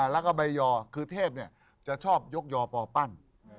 แล้วก็ใบยอคือเทพจะชอบยกยอปอปั้น